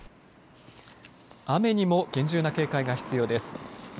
雨にも厳重な警戒が必要です。